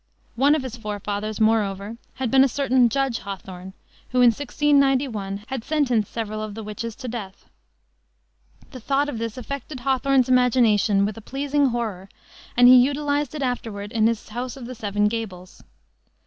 One of his forefathers, moreover, had been a certain Judge Hawthorne, who in 1691 had sentenced several of the witches to death. The thought of this affected Hawthorne's imagination with a pleasing horror and he utilized it afterward in his House of the Seven Gables.